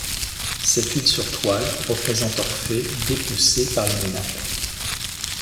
Cette huile sur toile représente Orphée dépecé par les Ménades.